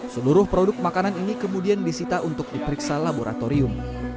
seluruh produk makanan ini kemudian disita untuk diperiksa laboratorium